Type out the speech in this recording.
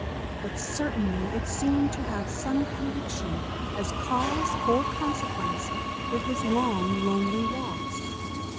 But certainly it seemed to have some connection, as cause or consequence, with his long, lonely walks.